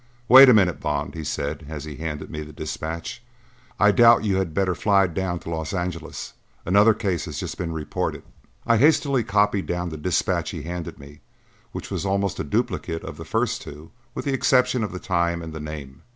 "Wait a minute, Bond," he said as he handed me the dispatch. "I doubt but you'd better fly down to Los Angeles. Another case has just been reported." I hastily copied down the dispatch he handed me, which was almost a duplicate of the first two with the exception of the time and the name.